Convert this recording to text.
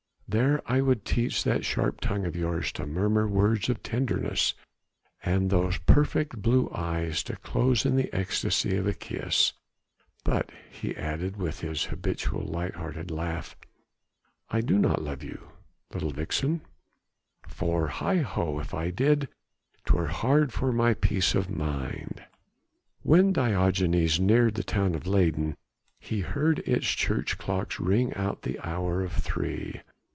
There I would teach that sharp tongue of yours to murmur words of tenderness and those perfect blue eyes to close in the ecstasy of a kiss. But," he added with his habitual light hearted laugh, "I do not love you, little vixen, for heigh ho! if I did 'twere hard for my peace of mind." When Diogenes neared the town of Leyden he heard its church clocks ring out the hour of three.